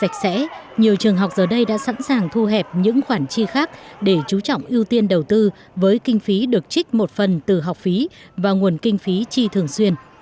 trường học giờ đây đã sẵn sàng thu hẹp những khoản chi khác để chú trọng ưu tiên đầu tư với kinh phí được trích một phần từ học phí và nguồn kinh phí chi thường xuyên